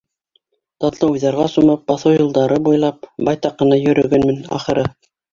Татлы уйҙарға сумып, баҫыу юлдары буйлап, байтаҡ ҡына йөрөгәнмен, ахыры.